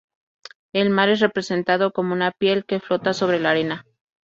El mar es representado como una piel que flota sobre la arena.